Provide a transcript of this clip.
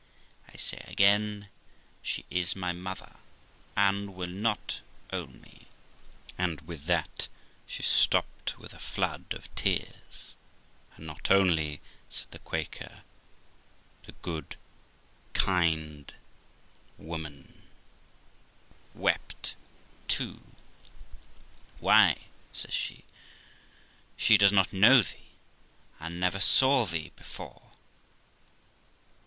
'I say again, she is my mother, and will not own me '; and with that she stopped with a flood of tears. 'Not own theel' says the Quaker; and the tender, good creature wept too. 'Why', says she, 'she does not know thee, and never saw thee be fore.'